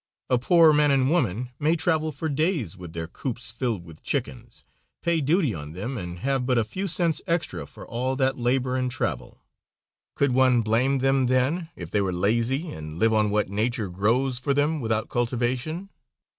A poor man and woman may travel for days with their coops filled with chickens, pay duty on them and have but a few cents extra for all that labor and travel. Could one blame them then if they were lazy and live on what nature grows for them without cultivation?